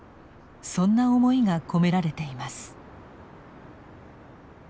そんな思いが込められています。